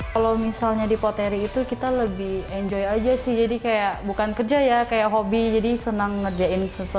kalau misalnya di poteri itu kita lebih enjoy aja sih jadi kayak bukan kerja ya kayak hobi jadi senang ngerjain sesuatu